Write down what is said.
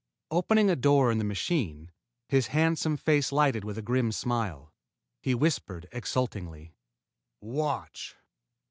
Opening a door in the machine, his handsome face lighted with a grim smile, he whispered exultingly: "Watch!"